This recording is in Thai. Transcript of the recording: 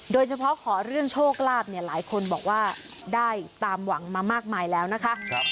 โดยเฉพาะขอเรื่องโชคลาภเนี่ยหลายคนบอกว่าได้ตามหวังมามากมายแล้วนะคะ